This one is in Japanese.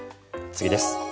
次です。